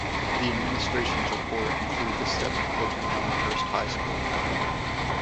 The administration's report included the step of closing Elmhurst High School.